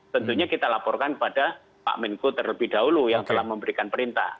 tentunya kita laporkan kepada pak menko terlebih dahulu yang telah memberikan perintah